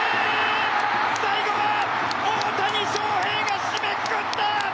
最後は大谷翔平が締めくくった！